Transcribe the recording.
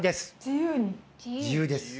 自由です。